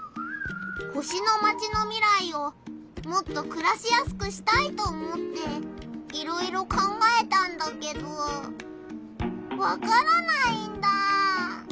星のマチの未来をもっとくらしやすくしたいと思っていろいろ考えたんだけどわからないんだ！